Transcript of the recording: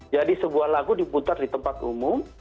jadi sebuah lagu diputar di tempat umum